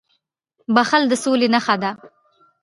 • بښل د سولي نښه ده.